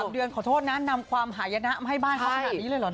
เดือนขอโทษนะนำความหายนะมาให้บ้านเขาขนาดนี้เลยเหรอ